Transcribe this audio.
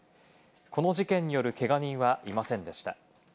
この事件によるけが人はいませんでした。